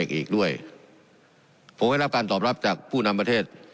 อีกด้วยผมได้รับการตอบรับจากผู้นำประเทศ